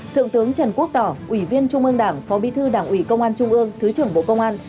thượng tướng trần quốc tỏ ủy viên trung ương đảng phó bí thư đảng ủy công an trung ương thứ trưởng bộ công an